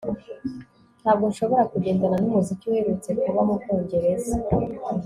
Ntabwo nshobora kugendana nu muziki uherutse kuba mu Bwongereza